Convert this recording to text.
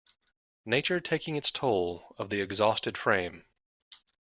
Nature taking its toll of the exhausted frame.